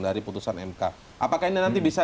dari putusan mk apakah ini nanti bisa